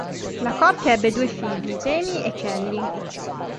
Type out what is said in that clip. La coppia ebbe due figli, Jamie e Kelly.